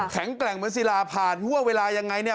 แข็งแกร่งเหมือนศิลาผ่านหัวเวลายังไงเนี่ย